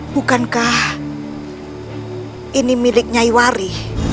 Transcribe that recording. bukankah ini milik nyaiwari